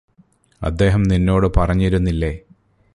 അദ്ദേഹം നിന്നോട് പറഞ്ഞിരുന്നില്ലേ